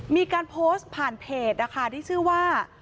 มีการโพสต์ผ่านเพจนะคะที่ชื่อว่า